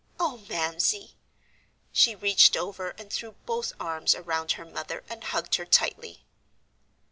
Oh, Mamsie!" She reached over and threw both arms around her mother and hugged her tightly.